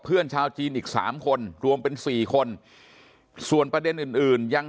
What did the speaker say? เพื่อนชาวจีนอีกสามคนรวมเป็นสี่คนส่วนประเด็นอื่นอื่นยัง